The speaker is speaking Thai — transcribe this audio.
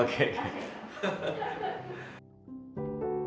สวัสดีครับ